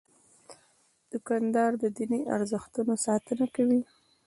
دوکاندار د دیني ارزښتونو ساتنه کوي.